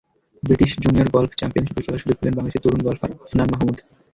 British junior golf চ্যাম্পিয়নশিপে খেলার সুযোগ পেলেন বাংলাদেশের তরুণ গলফার আফনান মাহমুদ।